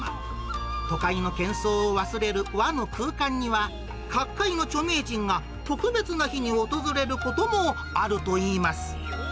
都会のけんそうを忘れる和の空間には、各界の著名人が特別な日に訪れることもあるといいます。